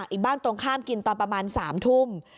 อีกบ้านตรงข้ามกินตอนประมาณ๓ทุ่ม